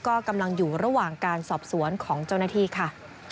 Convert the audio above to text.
ก็กำลังอยู่ระหว่างการสอบสวนของเจ้าหน้าที่ค่ะ